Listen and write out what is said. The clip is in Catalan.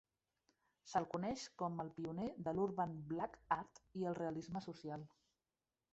Se'l coneix com el pioner de l'urban black art i el realisme social.